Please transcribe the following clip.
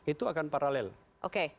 itu akan paralel oke